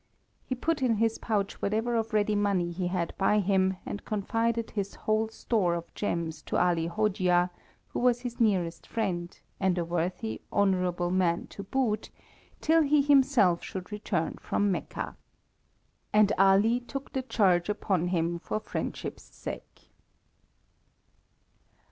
He put in his pouch whatever of ready money he had by him, and confided his whole store of gems to Ali Hojia, who was his nearest friend, and a worthy, honourable man to boot, till he himself should return from Mecca. And Ali took the charge upon him for friendship's sake.